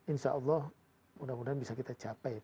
insya allah mudah mudahan bisa kita capai